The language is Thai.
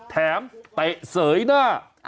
แถมแตะเสยหน้า